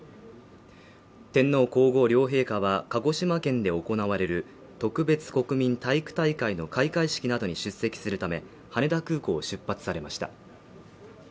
天皇皇后両陛下は鹿児島県で行われる特別国民体育大会の開会式などに出席するため羽田空港を出発されました